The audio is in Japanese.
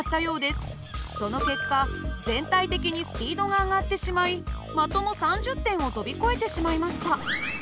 その結果全体的にスピードが上がってしまい的の３０点を飛び越えてしまいました。